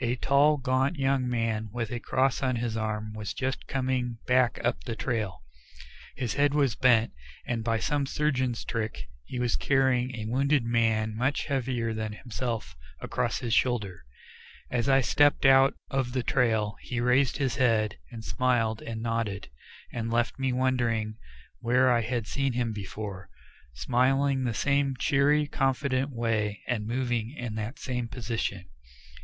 A tall, gaunt young man with a cross on his arm was just coming back up the trail. His head was bent, and by some surgeon's trick he was carrying a wounded man much heavier than himself across his shoulders. As I stepped out of the trail he raised his head, and smiled and nodded, and left me wondering where I had seen him before, smiling in the same cheery, confident way and moving in that same position.